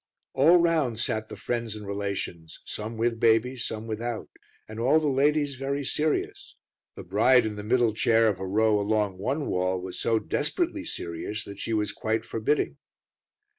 All round sat the friends and relations, some with babies, some without; and all the ladies very serious, the bride in the middle chair of a row along one wall was so desperately serious that she was quite forbidding.